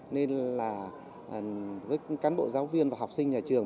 nên là với cán bộ giáo viên và học sinh nhà trường